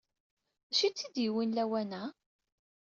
D acu ay tt-id-yewwin lawan-a?